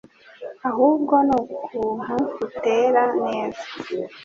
ahubwo nukuntu utera neza.